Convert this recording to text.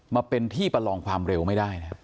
มาเป็นที่ประลองความเร็วไม่ได้นะครับ